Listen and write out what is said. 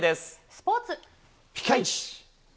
スポーツ、ピカイチ。